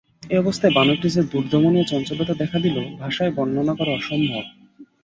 এই অবস্থায় বানরটির যে দুর্দমনীয় চঞ্চলতা দেখা দিল, ভাষায় বর্ণনা করা অসম্ভব।